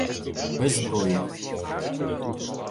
Без зброї.